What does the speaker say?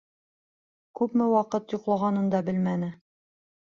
Күпме ваҡыт йоҡлағанын да белмәне.